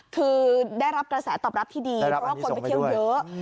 คือได้รับกระแสตอบรับที่ดีเพราะว่าคนไปเที่ยวเยอะ